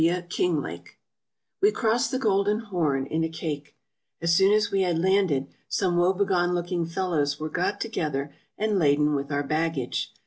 W. KINGLAKE WE crossed the Golden Horn in a caique. As soon as we had landed, some woebegone looking fellows were got together and laden with our baggage.